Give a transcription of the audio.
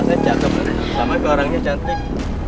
saya cakep sama ke orangnya cantik